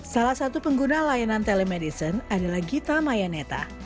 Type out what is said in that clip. salah satu pengguna layanan telemedicine adalah gita mayaneta